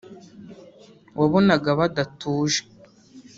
wabonaga badatuje